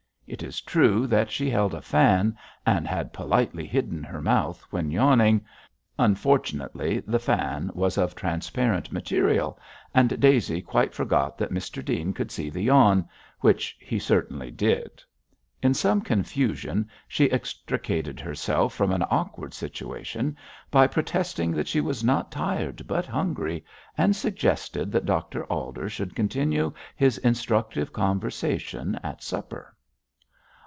It is true that she held a fan, and had politely hidden her mouth when yawning; unfortunately, the fan was of transparent material, and Daisy quite forgot that Mr Dean could see the yawn, which he certainly did. In some confusion she extricated herself from an awkward situation by protesting that she was not tired but hungry, and suggested that Dr Alder should continue his instructive conversation at supper.